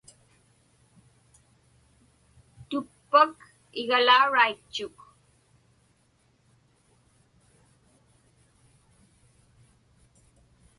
Tuppak igalauraitchuk.